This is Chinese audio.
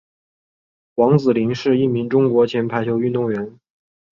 王子凌是一名中国前排球运动员。